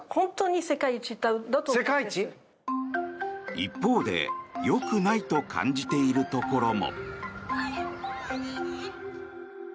一方で、よくないと感じているところも。